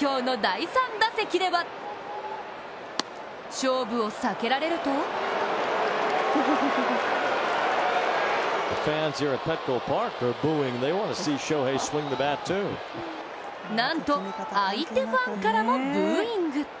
今日の第３打席では勝負を避けられるとなんと、相手ファンからもブーイング。